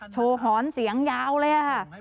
โชว์ฮอนเสียงยาวเลยกะ